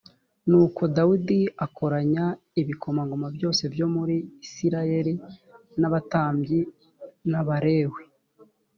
nuko dawidi akoranya ibikomangoma byose byo muri isirayeli n’abatambyi n’abalewi